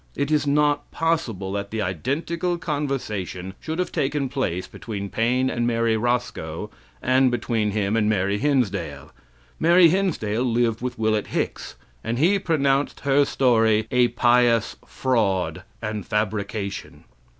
It is not possible that the identical conversation should have taken place between Paine and Mary Roscoe and between him and Mary Hinsdale. Mary Hinsdale lived with Willet Hicks, and he pronounced her story a pious fraud and fabrication.